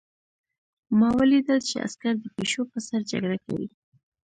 ما ولیدل چې عسکر د پیشو په سر جګړه کوي